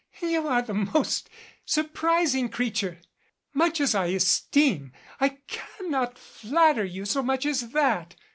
"You are the most surprising creature! Much as I esteem, I cannot flatter you so much as that."